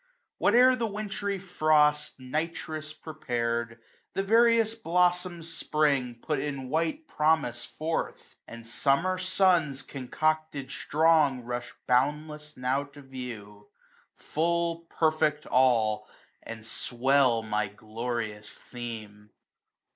Whatever the Wintry fitost ttft AUTUMN Nitrous prepar'd ; the various blossom'd Spring 5 Put in wliite promise forth ; and Summer suns Concocted strong, ruvsh boundless now to view ; Full, perfect all, and swell my glorious theme.